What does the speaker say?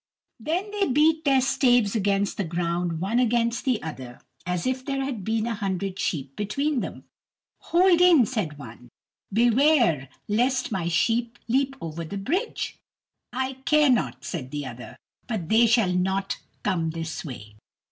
Then they beat their staves against the ground one against the other, as if there had been a hundred sheep between them. "Hold in," said one; "beware lest my sheep leap over the bridge." "I care not," said the other; "they shall not come this way."